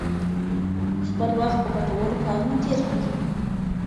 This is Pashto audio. خپل وخت په ګټورو کارونو تیر کړئ.